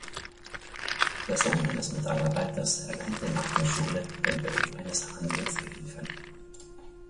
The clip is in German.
Der Sohn eines Metallarbeiters erlernte nach der Schule den Beruf eines Handlungsgehilfen.